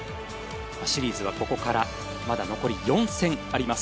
シリーズはここからまだ残り４戦あります。